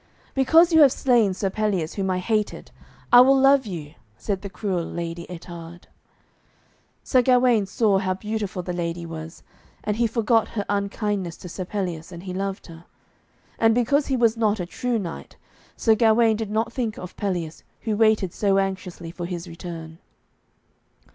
'Because you have slain Sir Pelleas, whom I hated, I will love you,' said the cruel Lady Ettarde. Sir Gawaine saw how beautiful the lady was, and he forgot her unkindness to Sir Pelleas, and he loved her. And because he was not a true knight, Sir Gawaine did not think of Pelleas, who waited so anxiously for his return.